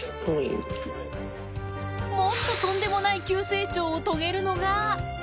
もっととんでもない急成長を遂げるのが。